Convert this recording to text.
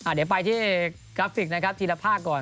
เดี๋ยวไปที่กราฟิกนะครับทีละภาคก่อน